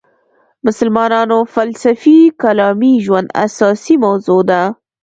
مسلمانانو فلسفي کلامي ژوند اساسي موضوع ده.